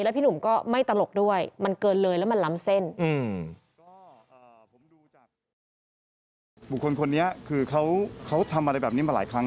พี่หนุ่มก็ไม่ตลกด้วยมันเกินเลยแล้วมันล้ำเส้น